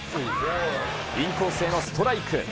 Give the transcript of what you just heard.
インコースへのストライク。